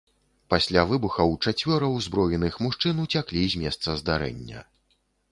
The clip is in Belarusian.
Пасля выбухаў чацвёра ўзброеных мужчын уцяклі з месца здарэння.